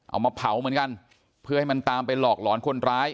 เอามาเผาเหมือนกันเพื่อให้มันตามไปหลอกหลอนคนร้าย